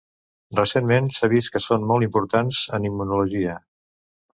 Recentment s'ha vist que són molt importants en immunologia.